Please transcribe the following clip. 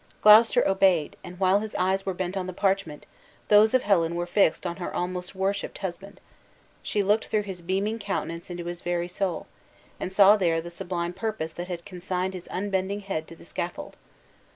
Gloucester obeyed, and while his eyes were bent on the parchment, those of Helen were fixed on her almost worshiped husband, she looked through his beaming countenance into his very soul, and there saw the sublime purpose that consigned his unbending head to the scaffold.